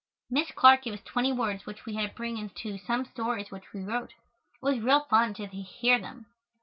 Miss Clark gave us twenty words which we had to bring into some stories which we wrote. It was real fun to hear them.